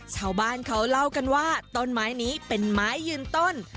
ชาวบ้านเขาเล่ากันว่าต้นไม้นี้เป็นไม้ยืนต้น